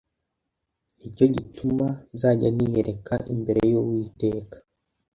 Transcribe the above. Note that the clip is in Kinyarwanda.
Ni cyo gituma nzajya niyereka imbere y’Uwiteka.